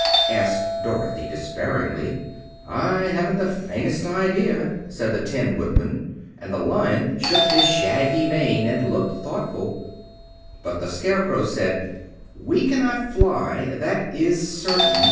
asked Dorothy despairingly. "I haven't the faintest idea," said the Tin Woodman, and the Lion shook his shaggy mane and looked thoughtful. But the Scarecrow said, "We cannot fly, that is certain.